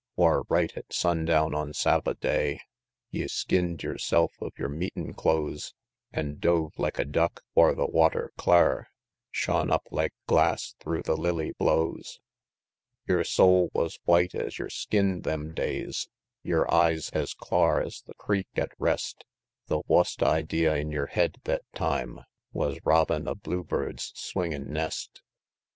Whar, right at sundown on Sabba'day, Ye skinn'd yerself of yer meetin' clothes, An dove, like a duck, whar the water clar Shone up like glass through the lily blows? XX. "Yer soul wus white es yer skin them days, Yer eyes es clar es the creek at rest; The wust idee in yer head thet time Wus robbin' a bluebird's swingin' nest.